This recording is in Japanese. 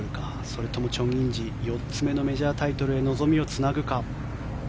それともチョン・インジ４つ目のメジャータイトルへ望みをつなぐか。